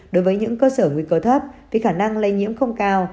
đối với những cơ sở nguy cơ thấp thì khả năng lây nhiễm không cao